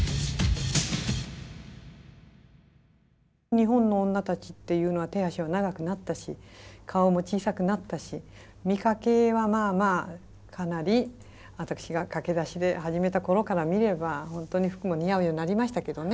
日本の女たちっていうのは手足は長くなったし顔も小さくなったし見かけはまあまあかなり私が駆け出しで始めた頃から見れば本当に服も似合うようになりましたけどね。